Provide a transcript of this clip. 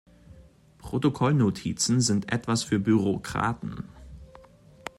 Protokollnotizen sind etwas für Bürokraten.